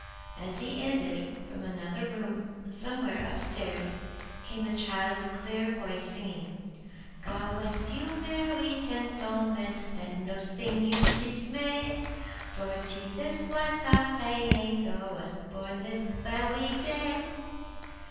As he ended, from another room somewhere up stairs, came a child's clear voice singing, God west you, mer wy gentle men, Let nossing you dismay; For Jesus Chwist our Sa wiour Was born this ve wy day.